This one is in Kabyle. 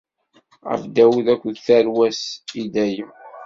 Ɣef Dawed akked tarwa-s, i dayem.